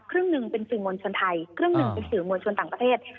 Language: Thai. หนึ่งเป็นสื่อมวลชนไทยครึ่งหนึ่งเป็นสื่อมวลชนต่างประเทศ